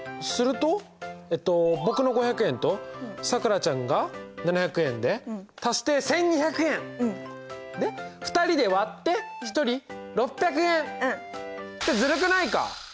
するとえっと僕の５００円とさくらちゃんが７００円で足して１，２００円。で２人で割って一人６００円！ってずるくないか？